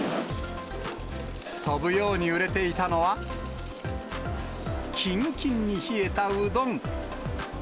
飛ぶように売れていたのは、きんきんに冷えたうどん。